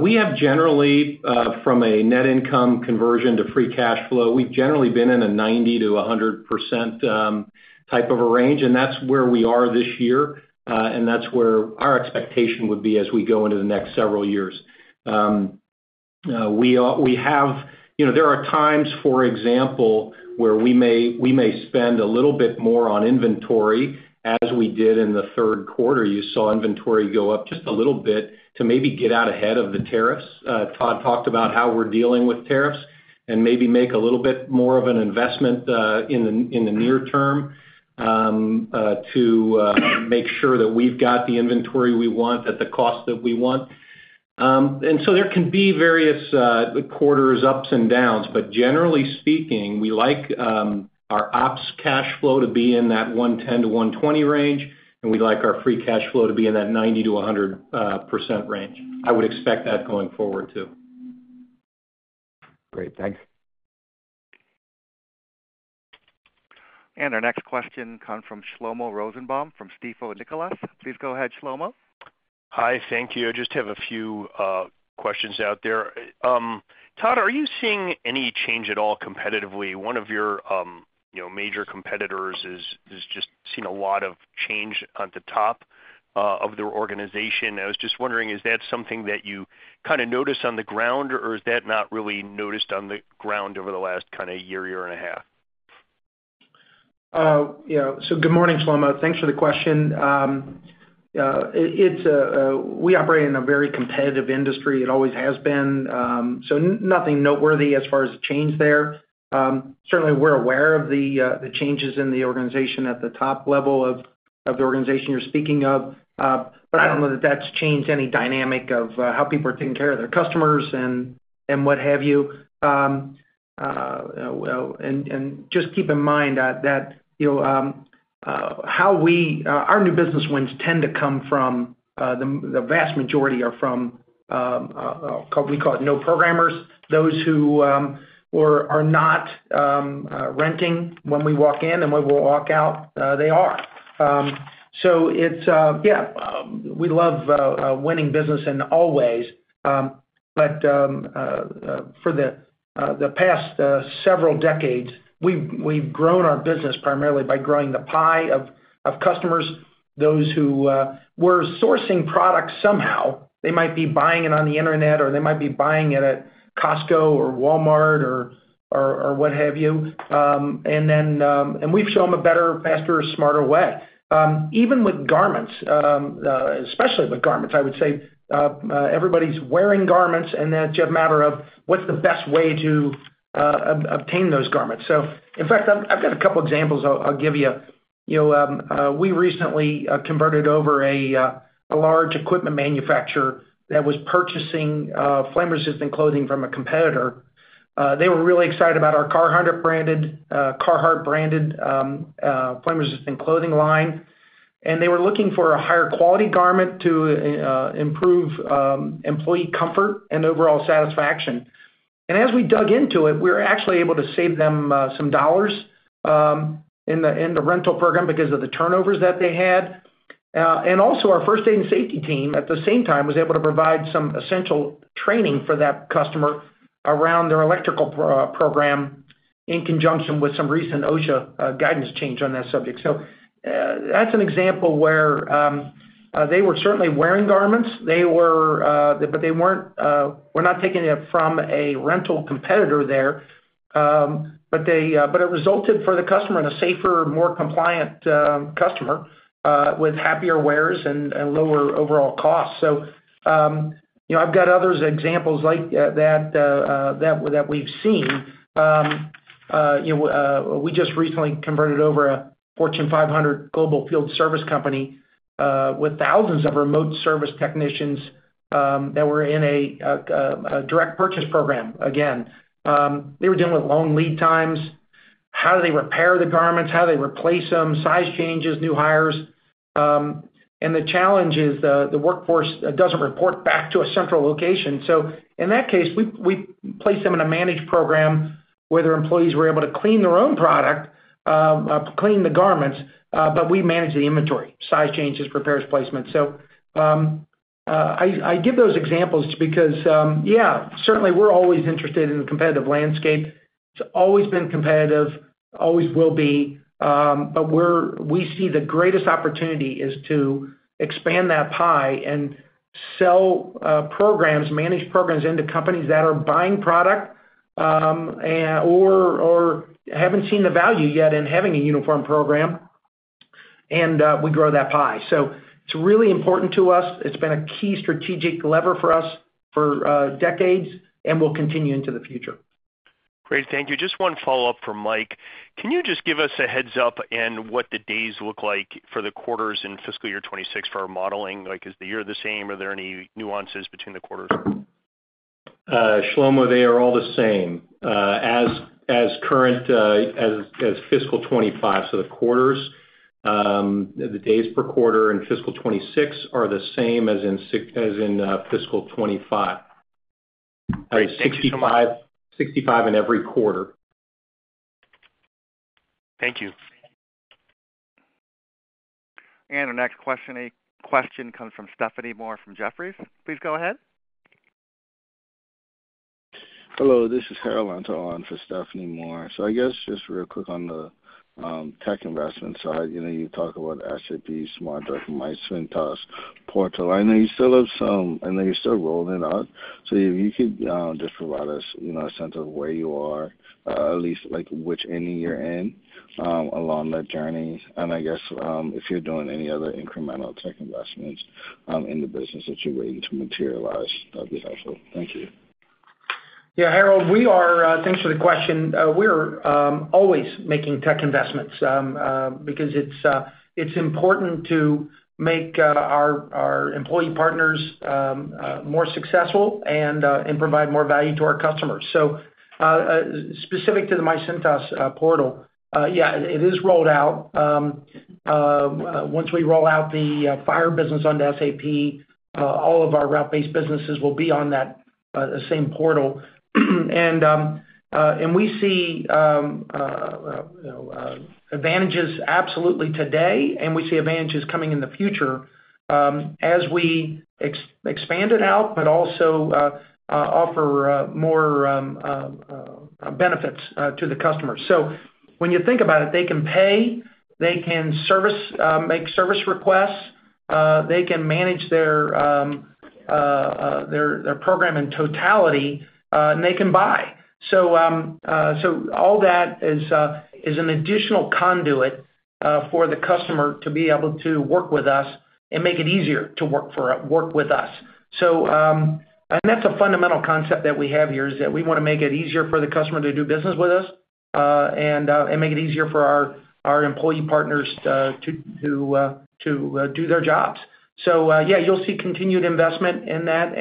We have generally, from a net income conversion to free cash flow, we've generally been in a 90-100% type of a range. That's where we are this year. That's where our expectation would be as we go into the next several years. There are times, for example, where we may spend a little bit more on inventory as we did in the third quarter. You saw inventory go up just a little bit to maybe get out ahead of the tariffs. Todd talked about how we're dealing with tariffs and maybe make a little bit more of an investment in the near term to make sure that we've got the inventory we want at the cost that we want. There can be various quarters, ups and downs. Generally speaking, we like our ops cash flow to be in that $110-$120 range. We like our free cash flow to be in that 90%-100% range. I would expect that going forward too. Great. Thanks. Our next question comes from Shlomo Rosenbaum from Stifel Nicolaus. Please go ahead, Shlomo. Hi. Thank you. I just have a few questions out there. Todd, are you seeing any change at all competitively? One of your major competitors has just seen a lot of change at the top of their organization. I was just wondering, is that something that you kind of notice on the ground, or is that not really noticed on the ground over the last kind of year, year and a half? Yeah. Good morning, Shlomo. Thanks for the question. We operate in a very competitive industry. It always has been. Nothing noteworthy as far as change there. Certainly, we're aware of the changes in the organization at the top level of the organization you're speaking of. I don't know that that's changed any dynamic of how people are taking care of their customers and what have you. Just keep in mind that our new business wins tend to come from, the vast majority are from, we call it, no programmers, those who are not renting when we walk in and when we walk out, they are. Yeah, we love winning business in all ways. For the past several decades, we've grown our business primarily by growing the pie of customers, those who were sourcing products somehow. They might be buying it on the internet, or they might be buying it at Costco or Walmart or what have you. We have shown them a better, faster, smarter way. Even with garments, especially with garments, I would say everybody's wearing garments, and that's just a matter of what's the best way to obtain those garments. In fact, I've got a couple of examples I'll give you. We recently converted over a large equipment manufacturer that was purchasing flame-resistant clothing from a competitor. They were really excited about our Carhartt-branded flame-resistant clothing line. They were looking for a higher quality garment to improve employee comfort and overall satisfaction. As we dug into it, we were actually able to save them some dollars in the rental program because of the turnovers that they had. Our first aid and safety team at the same time was able to provide some essential training for that customer around their electrical program in conjunction with some recent OSHA guidance change on that subject. That is an example where they were certainly wearing garments, but they were not taking it from a rental competitor there. It resulted for the customer in a safer, more compliant customer with happier wearers and lower overall costs. I have other examples like that that we have seen. We just recently converted over a Fortune 500 global field service company with thousands of remote service technicians that were in a direct purchase program. Again, they were dealing with long lead times. How do they repair the garments? How do they replace them? Size changes, new hires. The challenge is the workforce does not report back to a central location. In that case, we placed them in a managed program where their employees were able to clean their own product, clean the garments, but we manage the inventory, size changes, repairs, placements. I give those examples because, yeah, certainly we're always interested in the competitive landscape. It's always been competitive, always will be. We see the greatest opportunity is to expand that pie and sell programs, manage programs into companies that are buying product or haven't seen the value yet in having a uniform program. We grow that pie. It's really important to us. It's been a key strategic lever for us for decades and will continue into the future. Great. Thank you. Just one follow-up from Mike. Can you just give us a heads-up in what the days look like for the quarters in fiscal year 2026 for our modeling? Is the year the same? Are there any nuances between the quarters? Shlomo, they are all the same as fiscal 2025. The quarters, the days per quarter in fiscal 2026 are the same as in fiscal 2025. 65 in every quarter. Thank you. Our next question comes from Stephanie Moore from Jefferies. Please go ahead. Hello. This is Harold Antor for Stephanie Moore. Just real quick on the tech investment side, you talk about SAP, Smart Truck, and MyCintas portal. I know you still have some, I know you're still rolling it out. If you could just provide us a sense of where you are, at least which inning you're in along that journey. If you're doing any other incremental tech investments in the business that you're waiting to materialize, that'd be helpful. Thank you. Yeah. Harold, thanks for the question. We are always making tech investments because it's important to make our employee partners more successful and provide more value to our customers. Specific to the MyCintas portal, yeah, it is rolled out. Once we roll out the fire business on SAP, all of our route-based businesses will be on that same portal. We see advantages absolutely today, and we see advantages coming in the future as we expand it out, but also offer more benefits to the customers. When you think about it, they can pay. They can make service requests. They can manage their program in totality. They can buy. All that is an additional conduit for the customer to be able to work with us and make it easier to work with us. That's a fundamental concept that we have here, that we want to make it easier for the customer to do business with us and make it easier for our employee partners to do their jobs. Yeah, you'll see continued investment in that.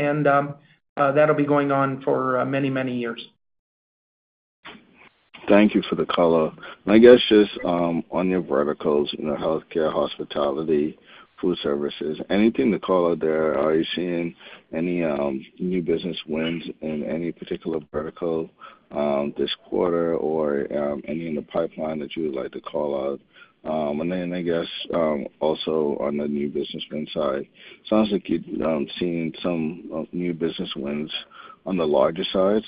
That'll be going on for many, many years. Thank you for the call. I guess just on your verticals, healthcare, hospitality, food services, anything to call out there, are you seeing any new business wins in any particular vertical this quarter or any in the pipeline that you would like to call out? I guess also on the new business wins side, it sounds like you've seen some new business wins on the larger side.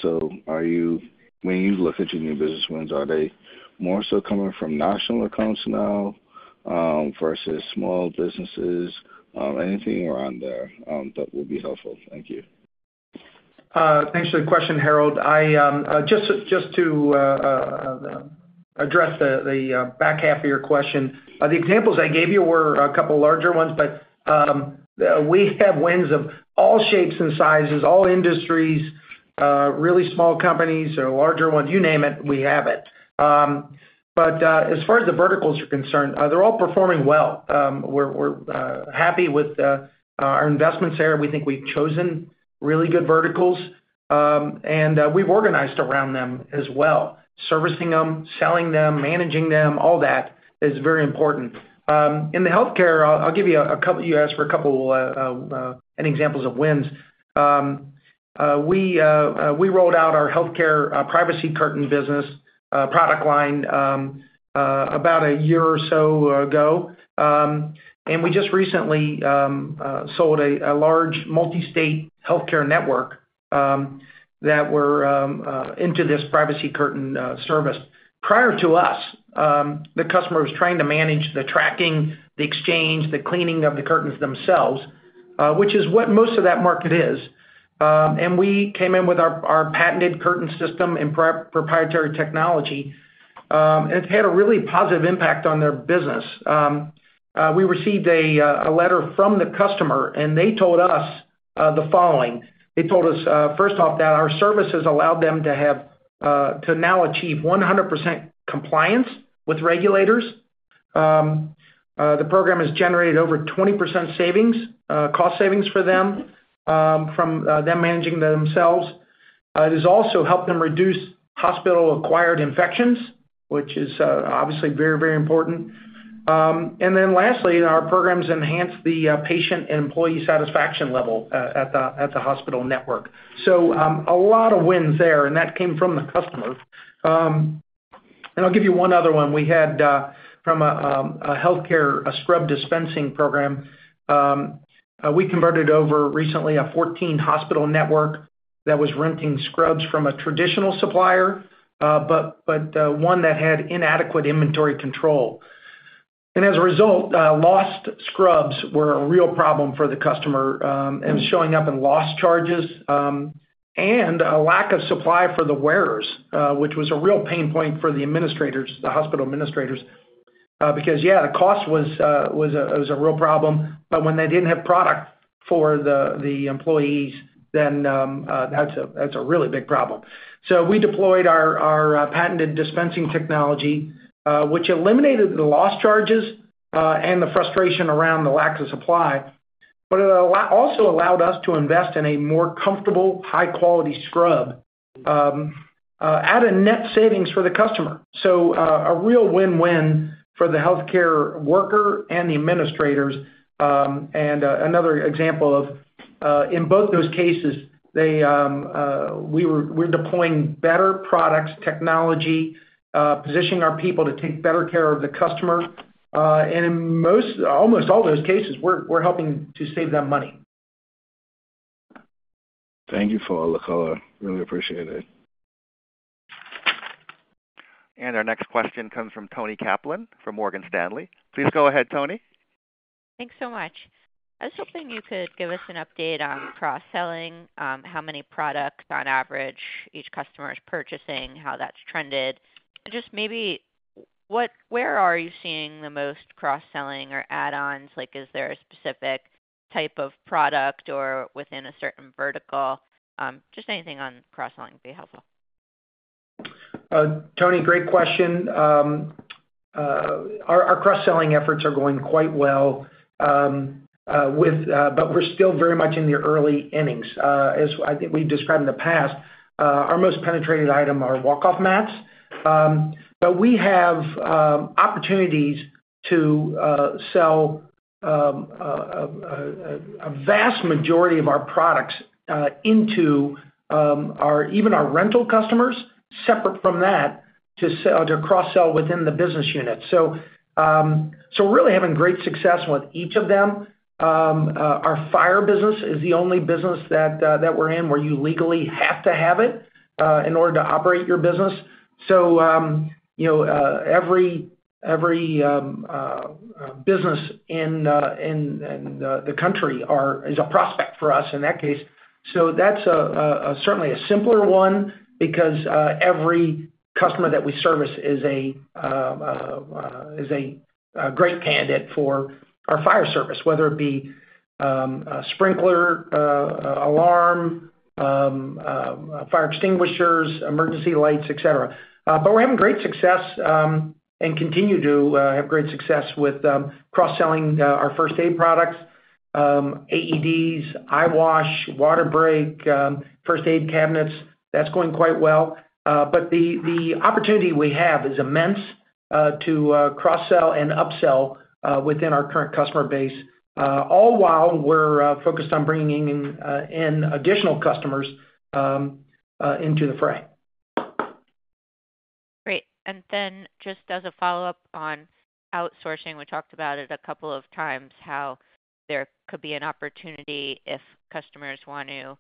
When you look at your new business wins, are they more so coming from national accounts now versus small businesses? Anything around there that would be helpful? Thank you. Thanks for the question, Harold. Just to address the back half of your question, the examples I gave you were a couple of larger ones. We have wins of all shapes and sizes, all industries, really small companies, or larger ones, you name it, we have it. As far as the verticals are concerned, they're all performing well. We're happy with our investments there. We think we've chosen really good verticals. We've organized around them as well. Servicing them, selling them, managing them, all that is very important. In the healthcare, I'll give you a couple you asked for a couple of examples of wins. We rolled out our healthcare privacy curtain business product line about a year or so ago. We just recently sold a large multi-state healthcare network that were into this privacy curtain service. Prior to us, the customer was trying to manage the tracking, the exchange, the cleaning of the curtains themselves, which is what most of that market is. We came in with our patented curtain system and proprietary technology. It has had a really positive impact on their business. We received a letter from the customer, and they told us the following. They told us, first off, that our services allowed them to now achieve 100% compliance with regulators. The program has generated over 20% cost savings for them from them managing themselves. It has also helped them reduce hospital-acquired infections, which is obviously very, very important. Lastly, our programs enhance the patient and employee satisfaction level at the hospital network. A lot of wins there. That came from the customer. I'll give you one other one. We had from a healthcare scrub dispensing program. We converted over recently a 14-hospital network that was renting scrubs from a traditional supplier, but one that had inadequate inventory control. As a result, lost scrubs were a real problem for the customer and was showing up in lost charges and a lack of supply for the wearers, which was a real pain point for the hospital administrators. Because yeah, the cost was a real problem. When they did not have product for the employees, then that's a really big problem. We deployed our patented dispensing technology, which eliminated the lost charges and the frustration around the lack of supply. It also allowed us to invest in a more comfortable, high-quality scrub, added net savings for the customer. A real win-win for the healthcare worker and the administrators. Another example of in both those cases, we're deploying better products, technology, positioning our people to take better care of the customer. In almost all those cases, we're helping to save them money. Thank you for all the color. Really appreciate it. Our next question comes from Toni Kaplan from Morgan Stanley. Please go ahead, Toni. Thanks so much. I was hoping you could give us an update on cross-selling, how many products on average each customer is purchasing, how that's trended. Just maybe where are you seeing the most cross-selling or add-ons? Is there a specific type of product or within a certain vertical? Just anything on cross-selling would be helpful. Toni, great question. Our cross-selling efforts are going quite well, but we're still very much in the early innings. As I think we've described in the past, our most penetrated item are walk-off mats. We have opportunities to sell a vast majority of our products into even our rental customers separate from that to cross-sell within the business unit. We're really having great success with each of them. Our fire business is the only business that we're in where you legally have to have it in order to operate your business. Every business in the country is a prospect for us in that case. That's certainly a simpler one because every customer that we service is a great candidate for our fire service, whether it be a sprinkler, alarm, fire extinguishers, emergency lights, etc. We are having great success and continue to have great success with cross-selling our first aid products, AEDs, eyewash, WaterBreak, first aid cabinets. That is going quite well. The opportunity we have is immense to cross-sell and upsell within our current customer base, all while we are focused on bringing in additional customers into the fray. Great. Just as a follow-up on outsourcing, we talked about it a couple of times, how there could be an opportunity if customers want to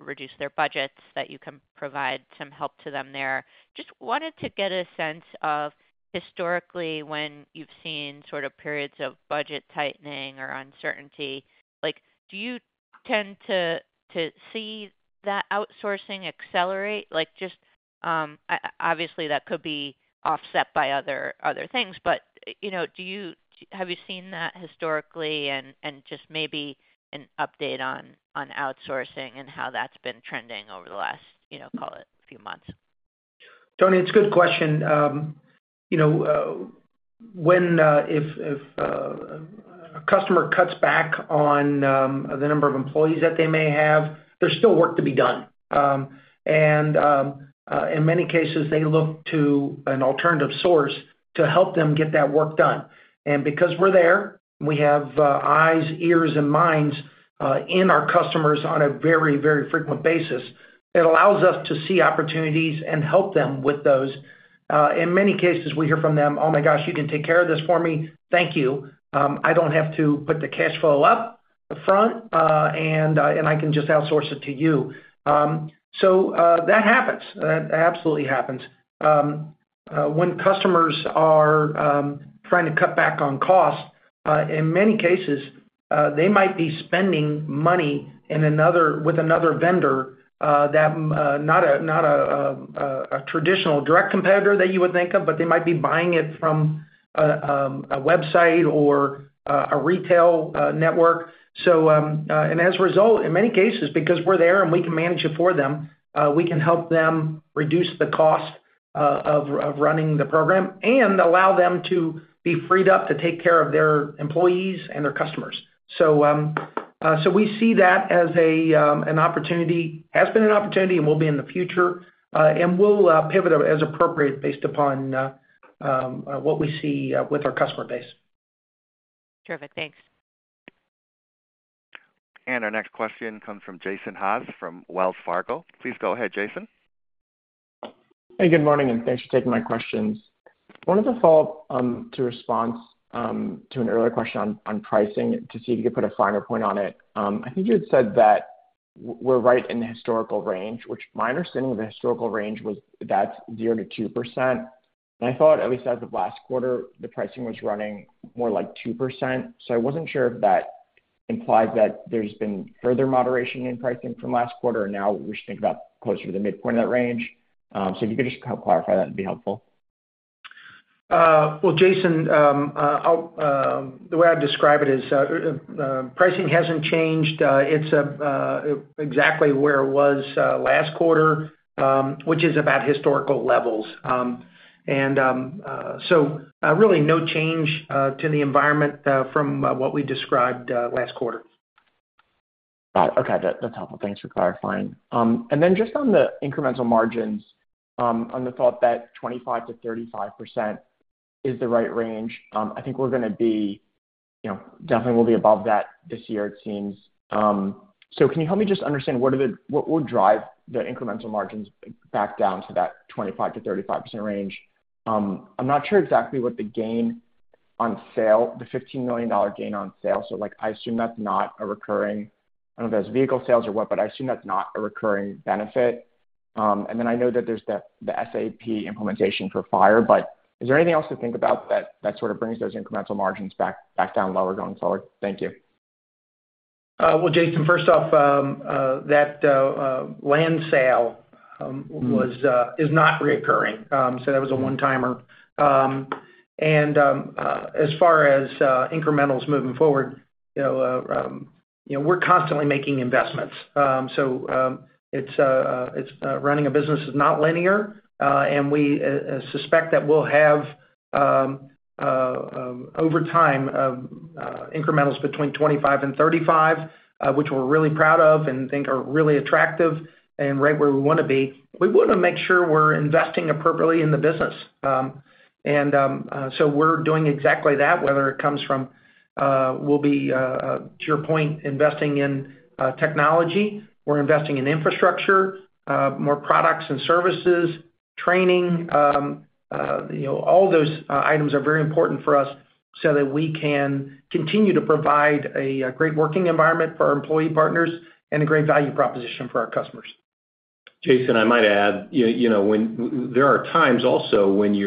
reduce their budgets that you can provide some help to them there. Just wanted to get a sense of historically when you've seen sort of periods of budget tightening or uncertainty. Do you tend to see that outsourcing accelerate? Obviously, that could be offset by other things. Have you seen that historically? Maybe an update on outsourcing and how that's been trending over the last, call it, few months? Toni, it's a good question. If a customer cuts back on the number of employees that they may have, there's still work to be done. In many cases, they look to an alternative source to help them get that work done. Because we're there and we have eyes, ears, and minds in our customers on a very, very frequent basis, it allows us to see opportunities and help them with those. In many cases, we hear from them, "Oh my gosh, you can take care of this for me. Thank you. I don't have to put the cash flow up upfront, and I can just outsource it to you." That happens. That absolutely happens. When customers are trying to cut back on cost, in many cases, they might be spending money with another vendor that's not a traditional direct competitor that you would think of, but they might be buying it from a website or a retail network. In many cases, because we're there and we can manage it for them, we can help them reduce the cost of running the program and allow them to be freed up to take care of their employees and their customers. We see that as an opportunity, has been an opportunity, and will be in the future. We'll pivot as appropriate based upon what we see with our customer base. Terrific. Thanks. Our next question comes from Jason Haas from Wells Fargo. Please go ahead, Jason. Hey, good morning. Thanks for taking my questions. I wanted to follow up to response to an earlier question on pricing to see if you could put a finer point on it. I think you had said that we're right in the historical range, which my understanding of the historical range was that's 0-2%. I thought, at least as of last quarter, the pricing was running more like 2%. I wasn't sure if that implied that there's been further moderation in pricing from last quarter, and now we should think about closer to the midpoint of that range. If you could just help clarify that, it'd be helpful. Jason, the way I'd describe it is pricing hasn't changed. It's exactly where it was last quarter, which is about historical levels. There is really no change to the environment from what we described last quarter. Got it. Okay. That's helpful. Thanks for clarifying. Just on the incremental margins, on the thought that 25-35% is the right range, I think we definitely will be above that this year, it seems. Can you help me just understand what would drive the incremental margins back down to that 25-35% range? I'm not sure exactly what the gain on sale, the $15 million gain on sale. I assume that's not a recurring, I don't know if that's vehicle sales or what, but I assume that's not a recurring benefit. I know that there's the SAP implementation for fire, but is there anything else to think about that sort of brings those incremental margins back down lower going forward? Thank you. Jason, first off, that land sale is not reoccurring. That was a one-timer. As far as incrementals moving forward, we're constantly making investments. Running a business is not linear. We suspect that we'll have, over time, incrementals between 25% and 35%, which we're really proud of and think are really attractive and right where we want to be. We want to make sure we're investing appropriately in the business. We're doing exactly that, whether it comes from, to your point, investing in technology. We're investing in infrastructure, more products and services, training. All those items are very important for us so that we can continue to provide a great working environment for our employee partners and a great value proposition for our customers. Jason, I might add, there are times also when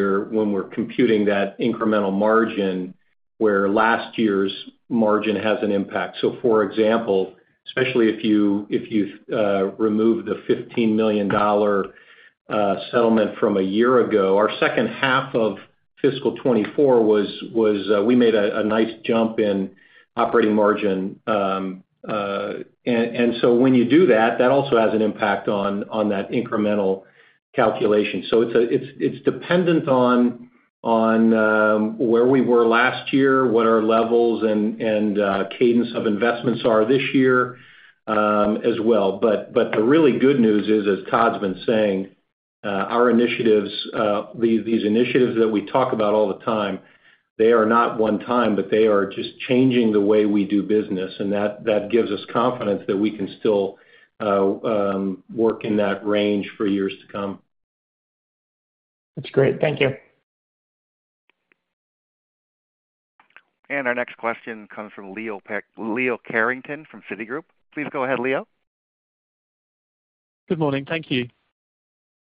we're computing that incremental margin where last year's margin has an impact. For example, especially if you remove the $15 million settlement from a year ago, our second half of fiscal 2024 was we made a nice jump in operating margin. When you do that, that also has an impact on that incremental calculation. It is dependent on where we were last year, what our levels and cadence of investments are this year as well. The really good news is, as Todd's been saying, these initiatives that we talk about all the time, they are not one-time, but they are just changing the way we do business. That gives us confidence that we can still work in that range for years to come. That's great. Thank you. Our next question comes from Leo Carrington from Citigroup. Please go ahead, Leo. Good morning. Thank you.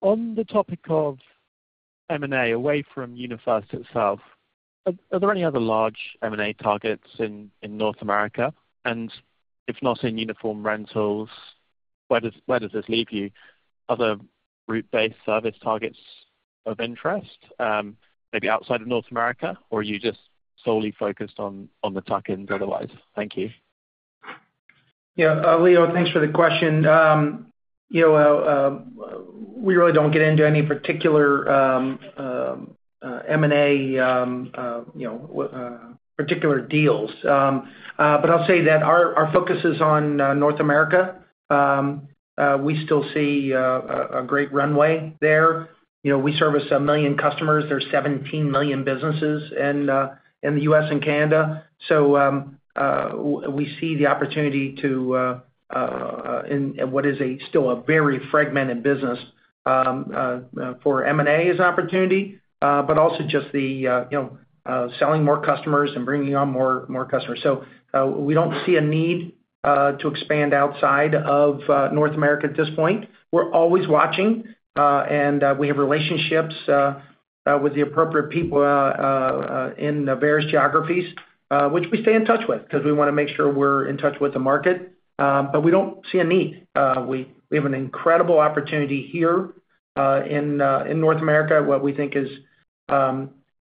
On the topic of M&A away from UniFirst itself, are there any other large M&A targets in North America? If not in uniform rentals, where does this leave you? Other route-based service targets of interest, maybe outside of North America, or are you just solely focused on the tuckins otherwise? Thank you. Yeah. Leo, thanks for the question. We really do not get into any particular M&A particular deals. I will say that our focus is on North America. We still see a great runway there. We service a million customers. There are 17 million businesses in the U.S. and Canada. We see the opportunity to, in what is still a very fragmented business, for M&A as an opportunity, but also just the selling more customers and bringing on more customers. We do not see a need to expand outside of North America at this point. We are always watching, and we have relationships with the appropriate people in various geographies, which we stay in touch with because we want to make sure we are in touch with the market. We do not see a need. We have an incredible opportunity here in North America, what we think is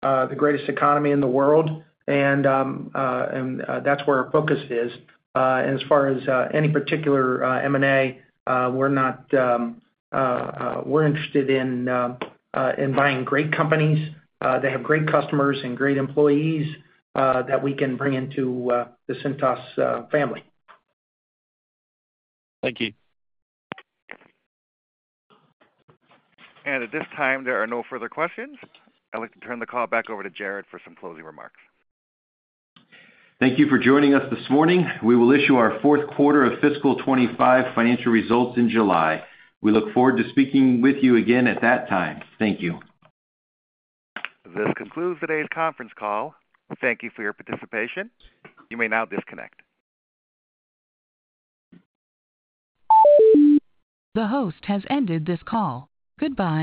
the greatest economy in the world. That is where our focus is. As far as any particular M&A, we are interested in buying great companies that have great customers and great employees that we can bring into the Cintas family. Thank you. At this time, there are no further questions. I'd like to turn the call back over to Jared for some closing remarks. Thank you for joining us this morning. We will issue our fourth quarter of fiscal 2025 financial results in July. We look forward to speaking with you again at that time. Thank you. This concludes today's conference call. Thank you for your participation. You may now disconnect. The host has ended this call. Goodbye.